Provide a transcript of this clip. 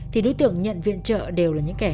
thì đối tượng nhận viện trợ đều là những kẻ